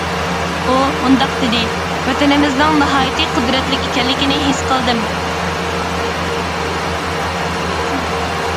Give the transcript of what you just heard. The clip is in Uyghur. ئۇ مۇنداق دېدى: ۋەتىنىمىزنىڭ ناھايىتى قۇدرەتلىك ئىكەنلىكىنى ھېس قىلدىم!